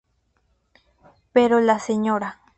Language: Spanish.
Pero la Sra.